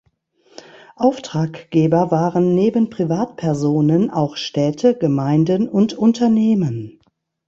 Auftraggeber waren neben Privatpersonen auch Städte, Gemeinden und Unternehmen.